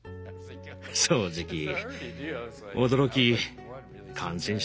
正直驚き感心したね。